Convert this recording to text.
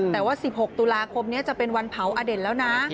แต่ว่า๑๖ตุลาคมนี้จะเป็นวันเผาอเด่นแล้วนะ